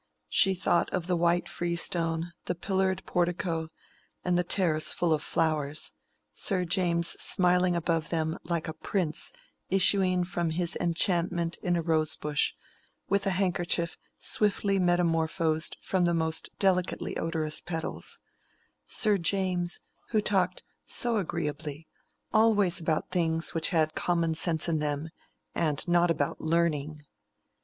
She thought of the white freestone, the pillared portico, and the terrace full of flowers, Sir James smiling above them like a prince issuing from his enchantment in a rose bush, with a handkerchief swiftly metamorphosed from the most delicately odorous petals—Sir James, who talked so agreeably, always about things which had common sense in them, and not about learning!